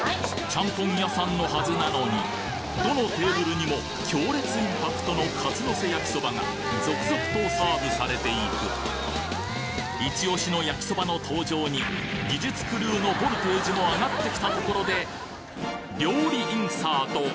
チャンポン屋さんのはずなのにどのテーブルにも強烈インパクトのカツのせ焼きそばが続々とサーブされていくイチオシの焼きそばの登場に技術クルーのボルテージも上がってきたところで料理インサート